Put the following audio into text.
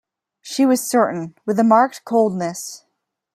She was certain, with a marked coldness.